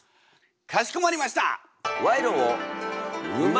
かしこまりました！